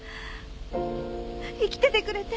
生きててくれて。